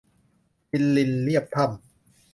กินรินเลียบถ้ำ